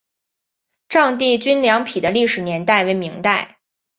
丈地均粮碑的历史年代为明代。